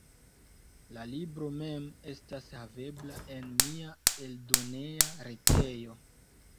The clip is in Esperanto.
La libro mem estas havebla en mia eldoneja retejo.